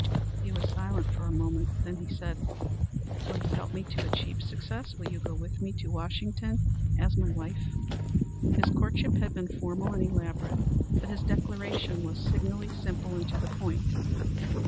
He was silent for a moment. Then he said, "Will you help me to achieve success? Will you go with me to Washington as my wife?" His courtship had been formal and elaborate, but his declaration was signally simple and to the point.